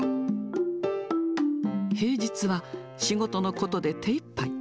平日は、仕事のことで手いっぱい。